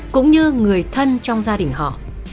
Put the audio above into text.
cũng như người thân trong gia đình họ